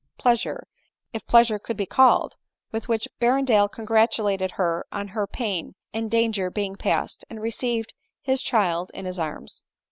319 pleasure, if pleasure it could be called, with which Ber rendale congratulated her on her pain and danger being past, and received his child in his arras.